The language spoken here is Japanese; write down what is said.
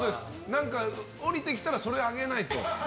何か降りてきたらそれを上げないと。